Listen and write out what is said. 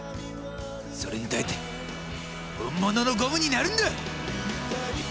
それに耐えて本物のゴムになるんだ！